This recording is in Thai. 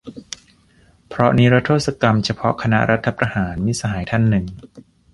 เพราะนิรโทษกรรมเฉพาะคณะรัฐประหาร - มิตรสหายท่านหนึ่ง